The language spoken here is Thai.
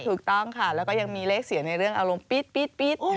ถูกต้องค่ะแล้วก็ยังมีเลขเสียในเรื่องอารมณ์ปี๊ด